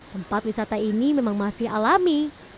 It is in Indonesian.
tempat wisata ini memang masih alami